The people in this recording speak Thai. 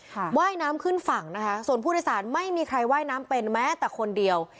ว่ายน้ำขึ้นฝั่งนะคะส่วนผู้โดยสารไม่มีใครว่ายน้ำเป็นแม้แต่คนเดียว